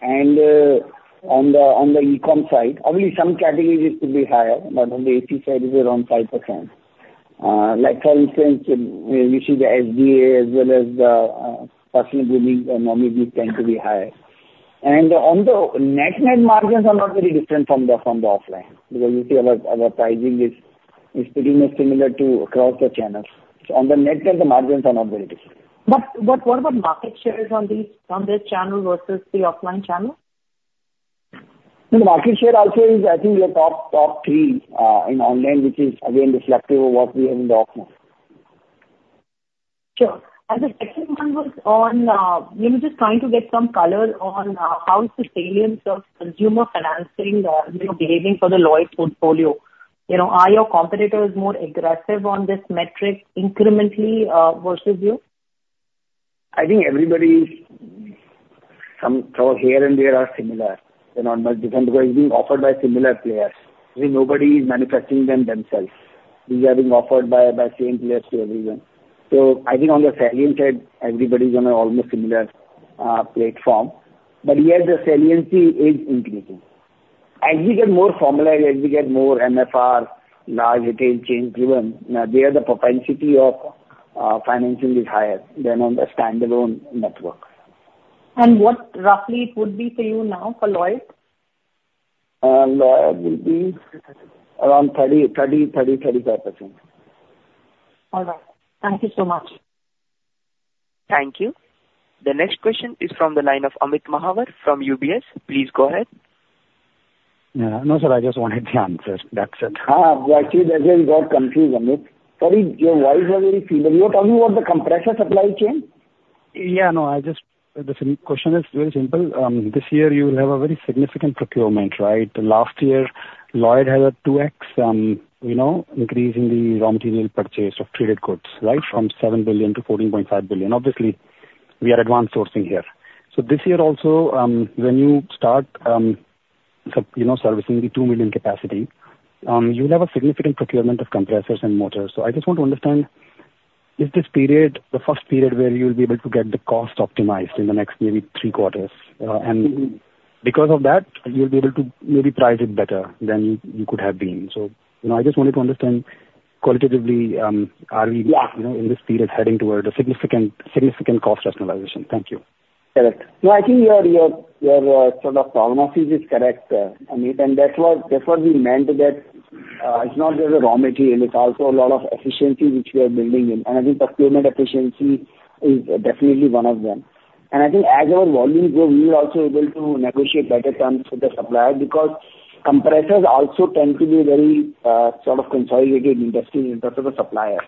and on the e-com side, only some categories it could be higher, but on the AC side, it's around 5%. Like, for instance, we see the SDA as well as the personal grooming, normally these tend to be higher. And on the net-net, margins are not very different from the offline, because you see our pricing is pretty much similar to across the channels. So on the net, the margins are not very different. But what about market shares on these, on this channel versus the offline channel? The market share also is, I think, we are top, top three, in online, which is again reflective of what we have in the offline. Sure. And the second one was on, we were just trying to get some color on, how is the salience of consumer financing, you know, behaving for the Lloyd portfolio? You know, are your competitors more aggressive on this metric incrementally, versus you? I think everybody's... Some from here and there are similar. They're not much different, because it's being offered by similar players. I think nobody is manufacturing them themselves. These are being offered by, by same players to everyone. So I think on the salient side, everybody's on an almost similar platform, but yes, the saliency is increasing. As we get more formalized, as we get more MFR, large retail chains even, there the propensity of financing is higher than on the standalone network. What roughly it would be for you now for Lloyd? Lloyd will be around 30%-35%. All right. Thank you so much. Thank you. The next question is from the line of Amit Mahawar from UBS. Please go ahead. Yeah. No, sir, I just wanted the answers. That's it. Ah, actually, don't get confused, Amit. Sorry, your voice was very feeble. You were telling me about the compressor supply chain? Yeah, no, I just—the question is very simple. This year you will have a very significant procurement, right? Last year, Lloyd had a 2x, you know, increase in the raw material purchase of traded goods, right? From 7 billion to 14.5 billion. Obviously, we are advanced sourcing here. So this year also, when you start, you know, servicing the 2 million capacity, you'll have a significant procurement of compressors and motors. So I just want to understand, is this period the first period where you'll be able to get the cost optimized in the next maybe three quarters? And because of that, you'll be able to maybe price it better than you could have been. So, you know, I just wanted to understand qualitatively, are we, you know, in this period, heading toward a significant, significant cost rationalization? Thank you. Correct. No, I think your sort of prognosis is correct, Amit, and that's what we meant that it's not just the raw material, it's also a lot of efficiency which we are building in, and I think procurement efficiency is definitely one of them. And I think as our volumes grow, we will also able to negotiate better terms with the supplier, because compressors also tend to be very sort of consolidated industry in terms of the suppliers.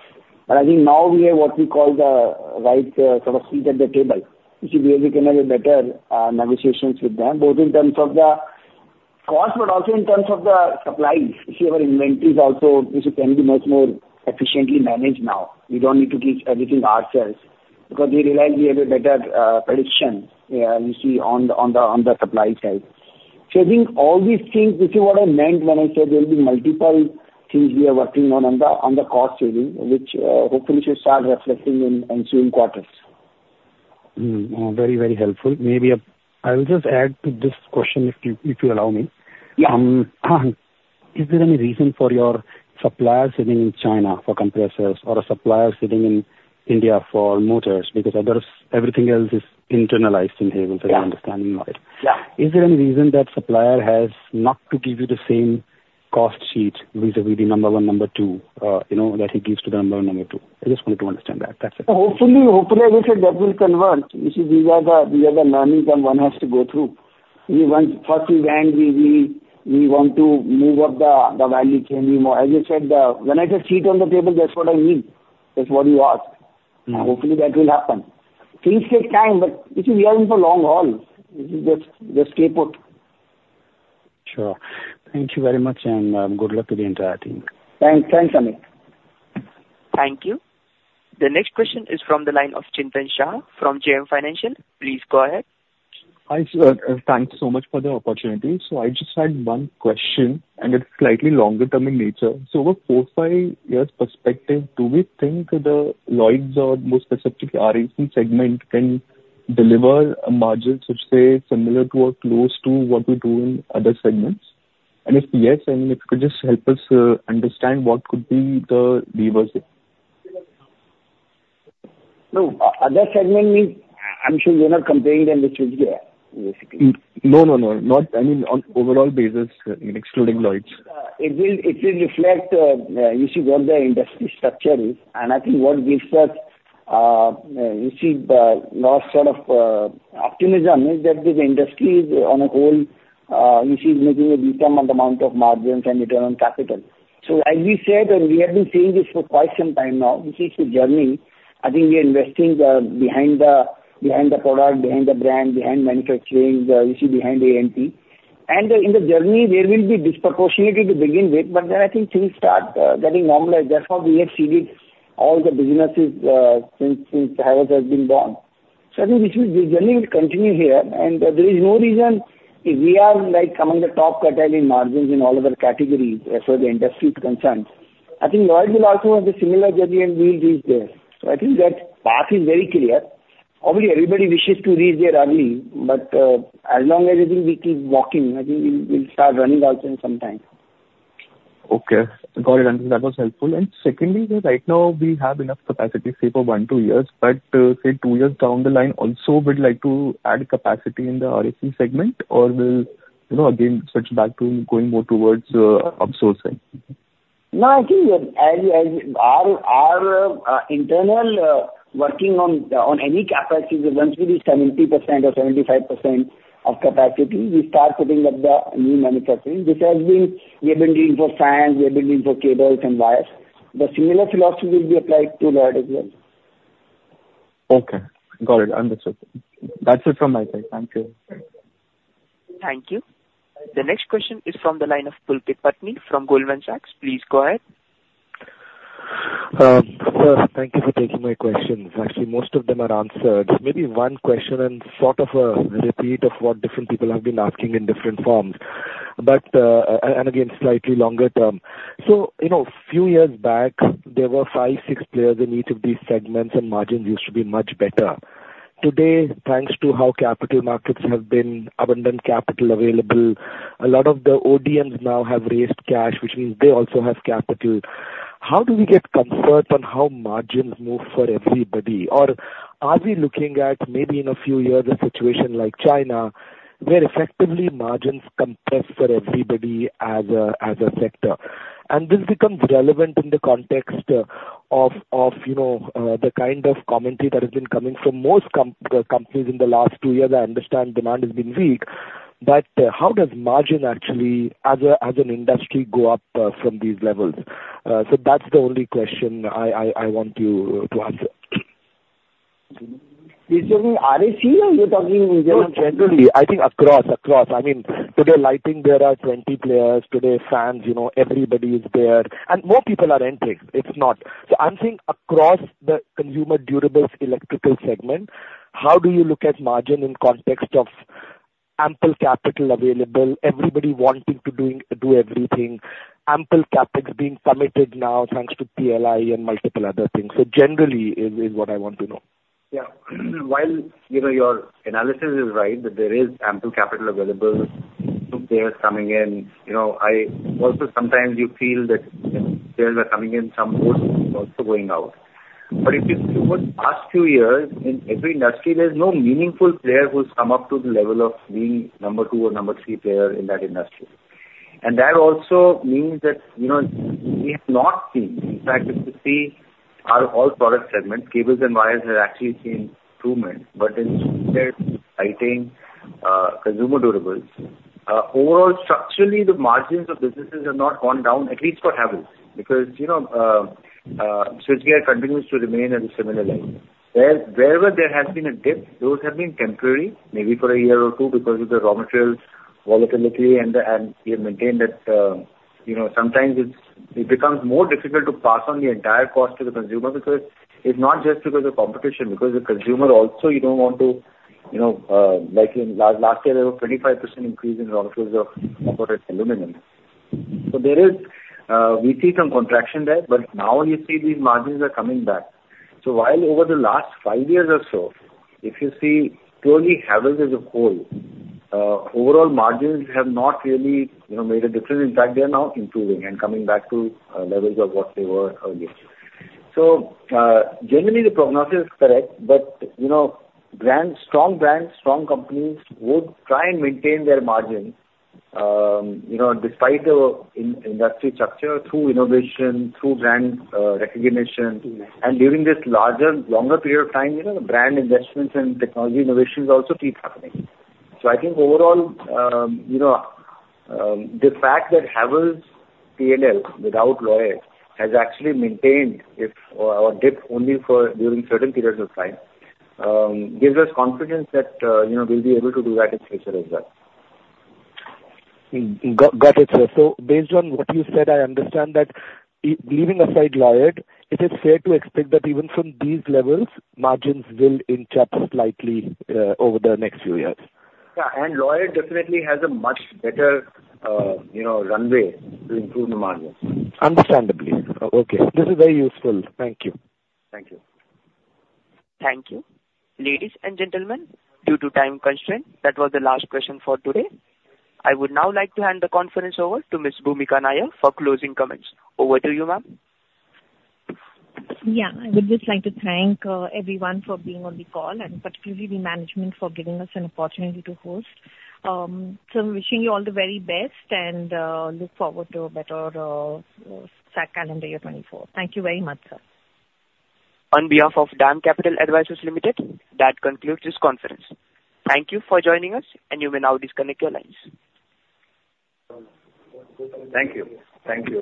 But I think now we have what we call the right sort of seat at the table, which will be able to have a better negotiations with them, both in terms of the cost, but also in terms of the supplies. See, our inventories also, this can be much more efficiently managed now. We don't need to keep everything ourselves, because we realize we have a better prediction, you see, on the supply side. So I think all these things, this is what I meant when I said there will be multiple things we are working on, on the cost saving, which hopefully should start reflecting in ensuing quarters. Very, very helpful. Maybe I'll just add to this question, if you allow me. Yeah. Is there any reason for your suppliers sitting in China for compressors or a supplier sitting in India for motors? Because other, everything else is internalized in here, as I understand it. Yeah. Is there any reason that supplier has not to give you the same cost sheet vis-a-vis the number one, number two, you know, that he gives to the number one, number two? I just wanted to understand that. That's it. Hopefully, hopefully, I would say that will convert. You see, these are the learnings that one has to go through. We want... First we went, we want to move up the value chain even more. As I said, when I say seat on the table, that's what I mean. That's what you ask. Mm-hmm. Hopefully, that will happen. Things take time, but, you see, we are in for long haul. This is just, just stay put. Sure. Thank you very much, and, good luck to the entire team. Thanks. Thanks, Amit. Thank you. The next question is from the line of Chintan Shah from JM Financial. Please go ahead. Hi, sir. Thank you so much for the opportunity. So I just had one question, and it's slightly longer term in nature. So over 4-5 years perspective, do we think the Lloyd or more specifically, RAC segment, can deliver a margins which say, similar to or close to what we do in other segments? And if yes, I mean, if you could just help us understand what could be the levers there? No, other segment means, I'm sure you're not comparing them with Switchgear, basically. No, no, no, not, I mean, on overall basis, excluding Lloyd. It will, it will reflect, you see what the industry structure is, and I think what gives us, you see, the more sort of, optimism is that this industry is on a whole, you see, making a decent amount of margins and return on capital. So as we said, and we have been saying this for quite some time now, this is a journey. I think we are investing, behind the, behind the product, behind the brand, behind manufacturing, you see, behind A&P. And in the journey there will be disproportionately to begin with, but then I think things start, getting normalized. That's how we have seen it, all the businesses, since, since Havells has been born. So I think this will, the journey will continue here, and there is no reason, if we are, like, among the top quartile in margins in all other categories, as far as the industry is concerned, I think Lloyd will also have a similar journey and we will reach there. So I think that path is very clear. Obviously, everybody wishes to reach there early, but, as long as I think we keep walking, I think we'll, we'll start running also in some time. Okay. Got it. That was helpful. Secondly, right now we have enough capacity, say, for 1-2 years, but say, 2 years down the line also, we'd like to add capacity in the RAC segment or we'll, you know, again, switch back to going more towards outsourcing? No, I think as our internal working on any capacity, once we reach 70% or 75% of capacity, we start putting up the new manufacturing. This has been. We have been doing for fans, we have been doing for cables and wires. The similar philosophy will be applied to Lloyd as well. Okay, got it. Understood. That's it from my side. Thank you. Thank you. The next question is from the line of Pulkit Patni from Goldman Sachs. Please go ahead. Sir, thank you for taking my questions. Actually, most of them are answered. Maybe one question and sort of, repeat of what different people have been asking in different forms, but, and again, slightly longer term. So, you know, few years back, there were 5, 6 players in each of these segments, and margins used to be much better. Today, thanks to how capital markets have been, abundant capital available, a lot of the ODMs now have raised cash, which means they also have capital. How do we get comfort on how margins move for everybody? Or are we looking at maybe in a few years a situation like China, where effectively margins compress for everybody as a, as a sector? And this becomes relevant in the context of you know the kind of commentary that has been coming from most companies in the last two years. I understand demand has been weak, but how does margin actually as an industry go up from these levels? So that's the only question I want you to answer. You're talking RAC or you're talking generally? No, generally. I think across, across. I mean, today, lighting, there are 20 players. Today, fans, you know, everybody is there, and more people are entering. It's not... So I'm saying across the consumer durables electrical segment, how do you look at margin in context of ample capital available, everybody wanting to do everything, ample capital is being permitted now, thanks to PLI and multiple other things. So generally is what I want to know. Yeah. While, you know, your analysis is right, that there is ample capital available, new players coming in, you know, I also sometimes you feel that when players are coming in, some old also going out. But if you look at past two years, in every industry, there's no meaningful player who's come up to the level of being number two or number three player in that industry. And that also means that, you know, we have not seen, in fact, if you see our all product segments, cables and wires have actually seen improvement. But in terms of lighting, consumer durables, overall structurally, the margins of businesses have not gone down, at least for Havells. Because, you know, Switchgear continues to remain at a similar line. Wherever there has been a dip, those have been temporary, maybe for a year or two, because of the raw materials volatility. And we have maintained that, you know, sometimes it becomes more difficult to pass on the entire cost to the consumer because it's not just because of competition, because the consumer also you don't want to, you know, like in last year, there was 25% increase in raw materials of copper and aluminum. So there is, we see some contraction there, but now you see these margins are coming back. So while over the last 5 years or so, if you see purely Havells as a whole, overall margins have not really, you know, made a difference. In fact, they are now improving and coming back to, levels of what they were earlier. So, generally, the prognosis is correct, but, you know, brands, strong brands, strong companies would try and maintain their margins, you know, despite the industry structure, through innovation, through brand recognition. And during this larger, longer period of time, you know, the brand investments and technology innovations also keep happening. So I think overall, the fact that Havells' PNL without Lloyd has actually maintained its or dip only during certain periods of time, gives us confidence that, you know, we'll be able to do that in future as well. Got it, sir. So based on what you said, I understand that leaving aside Lloyd, it is fair to expect that even from these levels, margins will inch up slightly over the next few years? Yeah, and Lloyd definitely has a much better, you know, runway to improve the margins. Understandably. Okay, this is very useful. Thank you. Thank you. Thank you. Ladies and gentlemen, due to time constraint, that was the last question for today. I would now like to hand the conference over to Ms. Bhumika Nair for closing comments. Over to you, ma'am. Yeah, I would just like to thank everyone for being on the call, and particularly the management for giving us an opportunity to host. So wishing you all the very best, and look forward to a better second calendar year 2024. Thank you very much, sir. On behalf of DAM Capital Advisors Limited, that concludes this conference. Thank you for joining us, and you may now disconnect your lines. Thank you. Thank you.